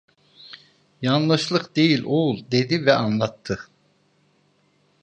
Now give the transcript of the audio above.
"Yanlışlık değil oğul!" dedi ve anlattı: